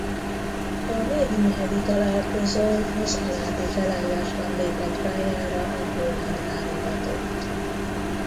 A maidenhead-i találkozón az alábbi felállásban lépett pályára a holland válogatott.